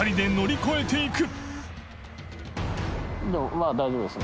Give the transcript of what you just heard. まぁ大丈夫ですね。